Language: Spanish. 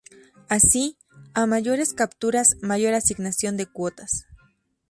Así, a mayores capturas, mayor asignación de cuotas.